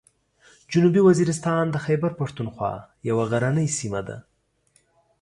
جنوبي وزیرستان د خیبر پښتونخوا یوه غرنۍ سیمه ده.